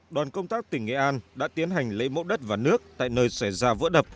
đoàn công tác tỉnh nghệ an đã tiến hành lấy mẫu đất và nước tại nơi xảy ra vỡ đập